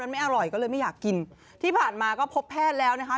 ไม่อร่อยก็เลยไม่อยากกินที่ผ่านมาก็พบแพทย์แล้วนะคะ